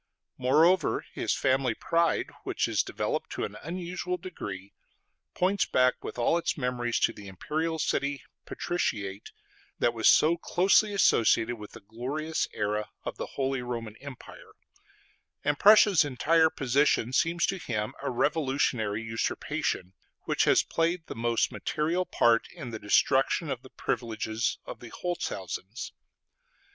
Moreover, his family pride, which is developed to an unusual degree, points back with all its memories to the imperial city patriciate that was so closely associated with the glorious era of the Holy Roman Empire; and Prussia's entire position seems to him a revolutionary usurpation, which has played the most material part in the destruction of the privileges of the Holzhausens.